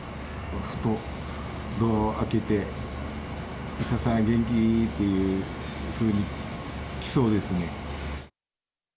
ふとドアを開けて、伊佐さん元気ー？っていうふうに来そうですね。